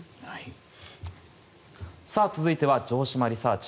続いては、城島リサーチ！